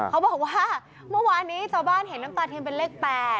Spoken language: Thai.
เขาบอกว่าเมื่อวานนี้ชาวบ้านเห็นน้ำตาเทียนเป็นเลข๘